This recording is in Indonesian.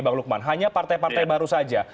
bang lukman hanya partai partai baru saja